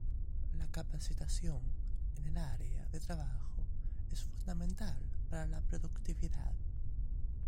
La capacitación en el área de trabajo es fundamental para la productividad.